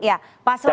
ya pak samad